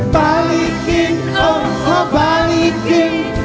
balikin oh balikin